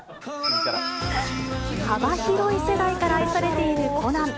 幅広い世代から愛されているコナン。